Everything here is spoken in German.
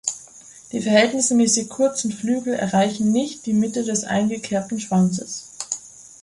Die verhältnismäßig kurzen Flügel erreichen nicht die Mitte des eingekerbten Schwanzes.